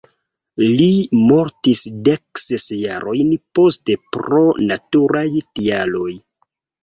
Li mortos dek ses jarojn poste pro naturaj tialoj.